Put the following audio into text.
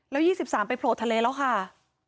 แล้ว๒๓ไปโผล่ทะเลแล้วค่ะ